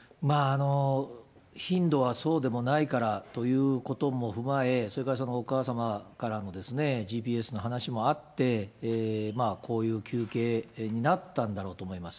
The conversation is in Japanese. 頻度はそうでもないからということも踏まえ、それからお母様からのＧＰＳの話もあって、こういう求刑になったんだろうと思います。